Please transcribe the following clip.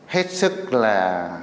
hết sức là